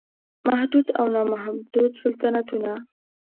محدود او نا محدود سلطنتونه